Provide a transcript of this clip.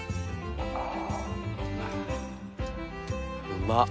うまっ。